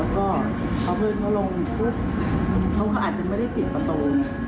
ก็พอเพื่อนเขาลงปุ๊บเขาก็อาจจะไม่ได้ปิดประตู